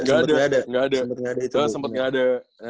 gak ada sempet gak ada